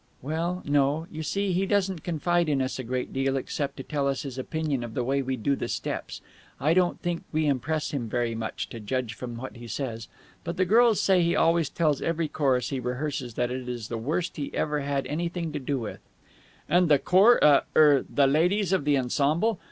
"Well, no. You see, he doesn't confide in us a great deal, except to tell us his opinion of the way we do the steps. I don't think we impress him very much, to judge from what he says. But the girls say he always tells every chorus he rehearses that it is the worst he ever had anything to do with." "And the chor the er ladies of the ensemble?